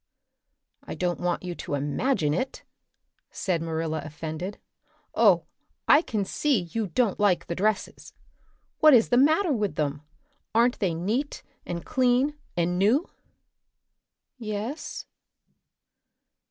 "I don't want you to imagine it," said Marilla, offended. "Oh, I can see you don't like the dresses! What is the matter with them? Aren't they neat and clean and new?" "Yes."